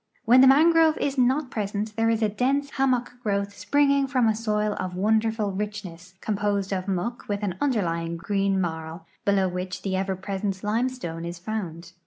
W hen the mangrove is not present there is a dense hammock growth springing IVom a soil of wonderful richness, composed of muck with an underlying green marl, below which the cver ])resent limestone is found.